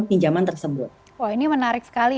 pinjaman tersebut wah ini menarik sekali